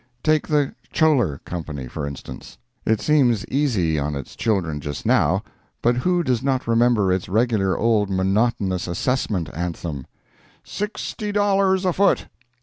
Take the Chollar Company, for instance. It seems easy on its children just now, but who does not remember its regular old monotonous assessment anthem? "Sixty dollars a foot!